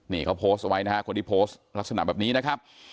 นี่เขาโพสต์เอาไว้นะฮะคนที่โพสต์ลักษณะแบบนี้นะครับ